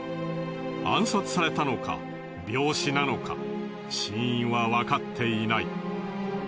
暗殺されたのか病死なのか死因はわかっていない。